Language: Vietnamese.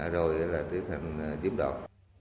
rồi là tiếp hành chiếm đoạt